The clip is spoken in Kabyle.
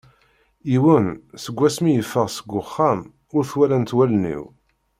Yiwen, seg wass mi yeffeɣ seg uxxam ur t-walant wallen-iw.